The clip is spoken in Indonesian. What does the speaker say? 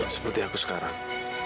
seperti aku sekarang